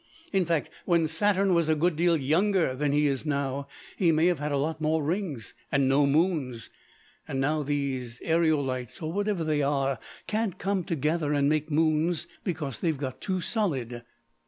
In fact, when Saturn was a good deal younger than he is now, he may have had a lot more rings and no moons, and now these aerolites, or whatever they are, can't come together and make moons, because they've got too solid."